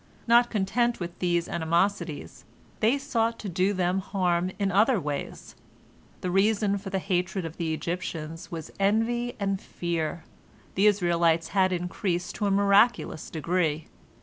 Not content with these animosities, they sought to do them harm in, other ways. The reason for the hatred of the Egyptians was envy and fear. The Israelites had increased to a miraculous degree.